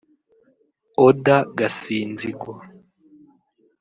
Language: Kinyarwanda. Odda Gasinzigwa